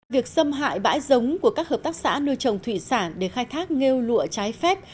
việc xâm hại bãi giống của các hợp tác xã nuôi trồng thủy sản để khai thác ngu lụa trái phép